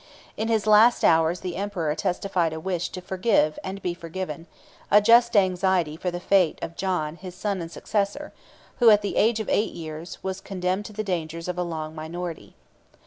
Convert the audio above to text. In his last hours the emperor testified a wish to forgive and be forgiven, a just anxiety for the fate of John his son and successor, who, at the age of eight years, was condemned to the dangers of a long minority.